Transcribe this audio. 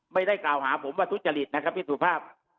ไม่ได้กล่าวหาผมว่าทุจริตนะครับพี่สุภาพ